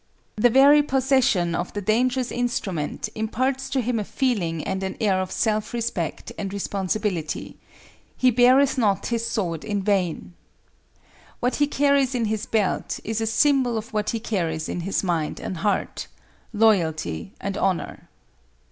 The very possession of the dangerous instrument imparts to him a feeling and an air of self respect and responsibility. "He beareth not his sword in vain." What he carries in his belt is a symbol of what he carries in his mind and heart—Loyalty and Honor.